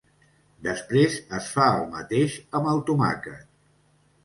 Després es fa el mateix amb el tomàquet.